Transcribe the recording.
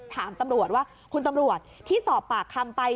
ถามตำรวจว่าคุณตำรวจที่สอบปากคำไป